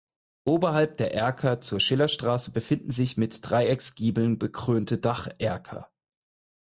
Oberhalb der Erker zur Schillerstraße befinden sich mit Dreiecksgiebeln bekrönte Dacherker.